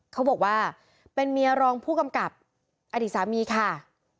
เขาบอกว่าเป็นเมียรองผู้กำกับอดีตสามีค่ะ